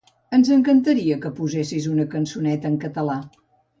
Ens encantaria que posessis una cançoneta en català.